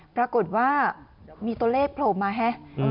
ปรากฏว่ามีตัวเลขโผล่มาฮะ